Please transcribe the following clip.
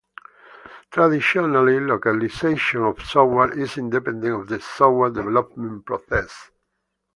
Traditionally, localization of software is independent of the software development process.